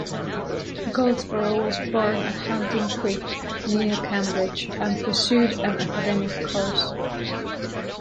Goldsborough was born at "Hunting Creek", near Cambridge, and pursued an academic course.